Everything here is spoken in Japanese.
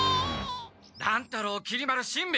乱太郎きり丸しんべヱ！